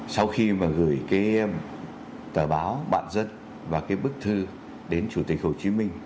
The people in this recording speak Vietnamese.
sau khi mà gửi cái tờ báo bạn dân và cái bức thư đến chủ tịch hồ chí minh